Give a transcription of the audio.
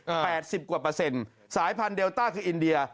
แปดสิบกว่าเปอร์เซ็นต์สายพันธุเดลต้าคืออินเดีย